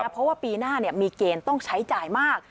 เพราะว่าปีหน้ามีเกณฑ์ต้องใช้จ่ายมาก